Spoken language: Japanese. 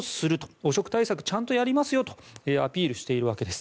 汚職対策をちゃんとやりますよとアピールしているわけです。